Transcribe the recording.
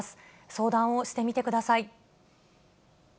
相談をしてみてください。